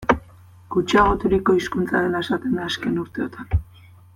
Gutxiagoturiko hizkuntza dela esaten da azken urteotan.